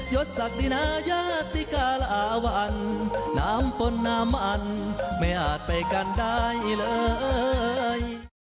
ศักดินนายาติการาวันน้ำปนน้ำมันไม่อาจไปกันได้เลย